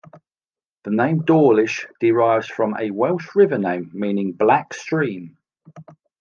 The name "Dawlish" derives from a Welsh river name meaning "black stream".